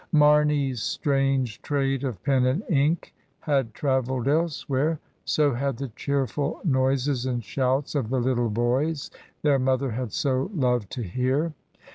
Marney's strange trade of pen and ink had travelled elsewhere; so had the cheerful noises and shouts of the little boys their mother had so loved to hear.